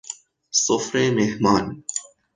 سفره مهمان